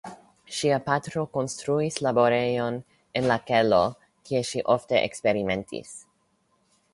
Ŝia patro konstruis laborejon en la kelo kie ŝi ofte eksperimentis.